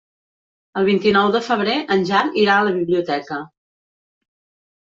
El vint-i-nou de febrer en Jan irà a la biblioteca.